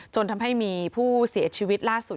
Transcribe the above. จนทำให้มีผู้เสียชีวิตล่าสุด